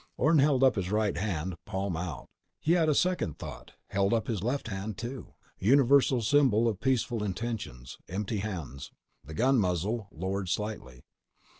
_ Orne held up his right hand, palm out. He had a second thought: held up his left hand, too. Universal symbol of peaceful intentions: empty hands. The gun muzzle lowered slightly.